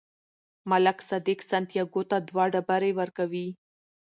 ملک صادق سانتیاګو ته دوه ډبرې ورکوي.